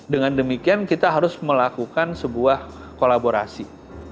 dengan demikian kita harus melakukan sebuah kolaborasi